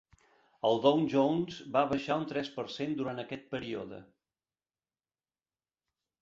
El Down Jones va baixar un tres per cent durant aquest període.